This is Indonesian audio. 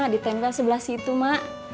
di tempel sebelah situ ma